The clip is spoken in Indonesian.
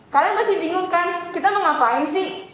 kalian masih bingung kan kita mau ngapain sih